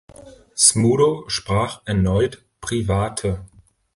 Smudo sprach erneut „Private“.